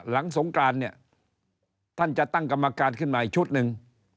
สงกรานเนี่ยท่านจะตั้งกรรมการขึ้นมาอีกชุดหนึ่ง